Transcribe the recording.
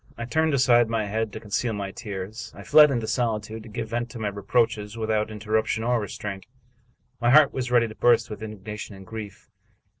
I turned aside my head to con ceal my tears. I fled into solitude, to give vent to my re proaches without interruption or restraint. My heart was ready to burst with indignation and grief.